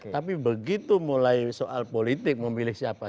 tapi begitu mulai soal politik memilih siapa